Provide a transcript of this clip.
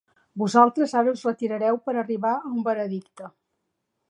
Vosaltres ara us retirareu per arribar a un veredicte.